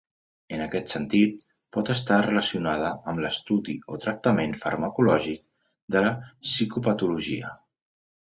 En aquest sentit, pot estar relacionada amb l'estudi o tractament farmacològic de la psicopatologia.